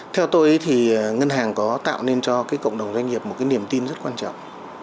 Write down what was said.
theo tôi thì ngân hàng có tạo nên cho cộng đồng doanh nghiệp một niềm tin rất quan trọng